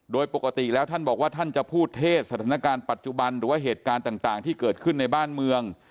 โดยปกติแล้วท่านบอกว่าท่านจะพูดเทศสถานการณ์ปัจจุบันหรือว่าเหตุการณ์ต่างที่เกิดขึ้นในบ้านเมือง